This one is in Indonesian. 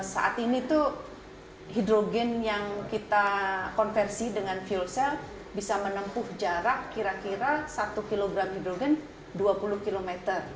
saat ini tuh hidrogen yang kita konversi dengan fuel cell bisa menempuh jarak kira kira satu kg hidrogen dua puluh km